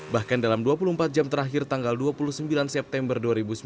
bahkan dalam dua puluh empat jam terakhir tanggal dua puluh sembilan september dua ribu sembilan belas